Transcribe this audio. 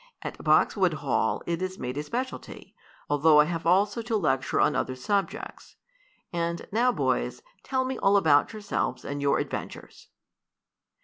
At Boxwood Hall it is made a specialty, though I have also to lecture on other subjects. And now boys, tell me all about yourselves and your adventures."